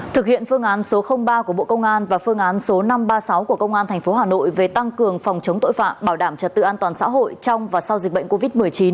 thực hiện phương án số ba của bộ công an và phương án số năm trăm ba mươi sáu của công an tp hà nội về tăng cường phòng chống tội phạm bảo đảm trật tự an toàn xã hội trong và sau dịch bệnh covid một mươi chín